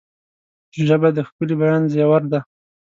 ژبه د ښکلي بیان زیور ده